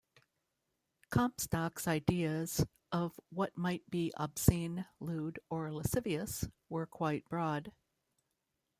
Comstock's ideas of what might be "obscene, lewd, or lascivious" were quite broad.